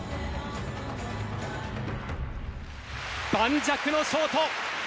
盤石のショート。